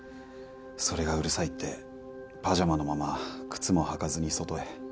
それがうるさいってパジャマのまま靴も履かずに外へ。